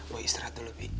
boy istirahat dulu bi